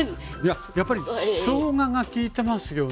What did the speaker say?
やっぱりしょうががきいてますよね。